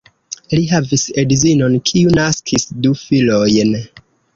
Li havis edzinon, kiu naskis du filojn.